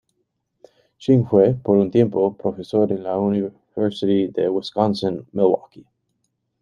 Ching fue, por un tiempo, profesor en la University de Wisconsin-Milwaukee.